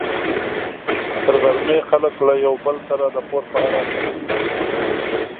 تر غرمې خلک له یو بل سره د پور په اړه خبرې کوي.